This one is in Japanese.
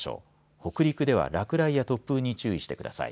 北陸では落雷や突風に注意してください。